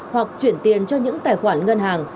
hoặc chuyển tiền cho những tài khoản ngân hàng